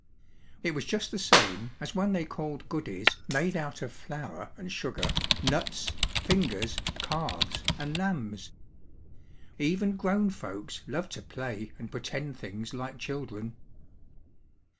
It was just the same, as when they called goodies, made out of flour and sugar, "nuts," "fingers," "calves" and "lambs." Even grown folks love to play and pretend things like children.